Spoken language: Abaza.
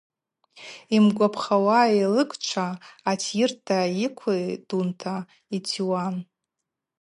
Йымгвапхахуа йлыгчва атйырта йыквидунта йтиуан.